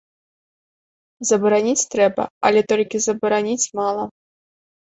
Забараніць трэба, але толькі забараніць мала.